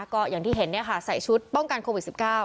ก็อย่างที่เห็นใส่ชุดป้องกันโควิด๑๙